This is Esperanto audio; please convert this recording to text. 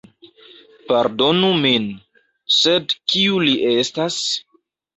Pardonu min, sed kiu li estas?